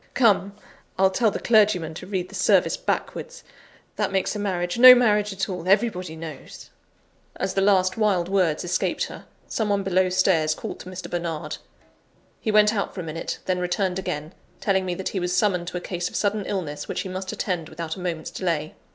Come! I'll tell the clergyman to read the service backwards; that makes a marriage no marriage at all, everybody knows." As the last wild words escaped her, some one below stairs called to Mr. Bernard. He went out for a minute, then returned again, telling me that he was summoned to a case of sudden illness which he must attend without a moment's delay.